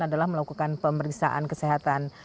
adalah melakukan pemeriksaan kesehatan